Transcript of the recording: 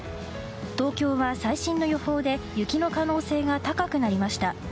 東京は最新の予報で雪の可能性が高くなりました。